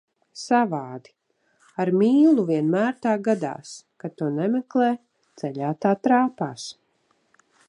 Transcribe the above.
Savādi, ar mīlu vienmēr tā gadās, kad to nemeklē, ceļā tā trāpās.